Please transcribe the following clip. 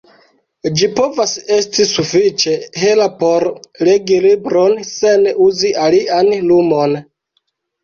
Ĝi povas esti sufiĉe hela por legi libron sen uzi alian lumon.